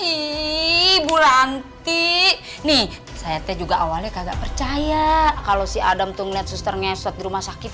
ibu lanti nih saya juga awalnya kagak percaya kalau si adam tuh net susternya set di rumah sakit